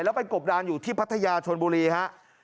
แล้วไปกบดานอยู่ที่พัทยาชนบุรีฮะ